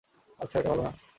আচ্ছা, এটা ভালো না?